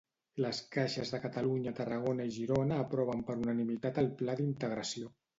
Les caixes de Catalunya, Tarragona i Girona aproven per unanimitat el pla d'integració.